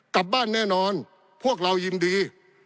กลับบ้านแน่นอนพวกเรายินดี